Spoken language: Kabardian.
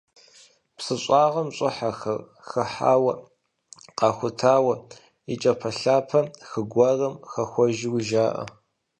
Псы щӏагъым щӏыхьэхэр хыхьауэ, къахутауэ, и кӏапэлъапэ хы гуэрым хэхуэжуи жаӏэ.